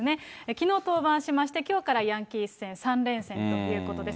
きのう登板しまして、きょうからヤンキース戦３連戦ということです。